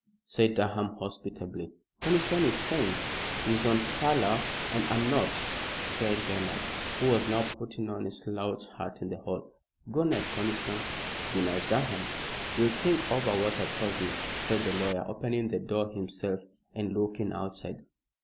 said Durham, hospitably. "Conniston is staying." "He's on furlough and I'm not," said Bernard, who was now putting on his slouch hat in the hall. "Good night, Conniston. Good night, Durham." "You'll think over what I told you," said the lawyer, opening the door himself and looking outside.